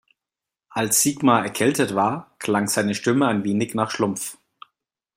Als Sigmar erkältet war, klang seine Stimme ein wenig nach Schlumpf.